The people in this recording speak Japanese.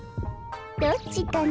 どっちかな？